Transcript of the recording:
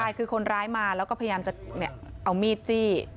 ใช่คือคนร้ายมาแล้วก็พยายามจะเอามีดจี้